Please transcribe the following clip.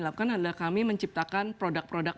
lakukan adalah kami menciptakan produk produk